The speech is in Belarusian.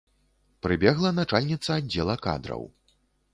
Прыбегла начальніца аддзела кадраў.